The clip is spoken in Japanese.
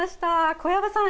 小籔さん